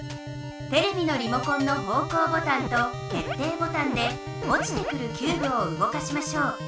テレビのリモコンの方向ボタンと決定ボタンでおちてくるキューブをうごかしましょう。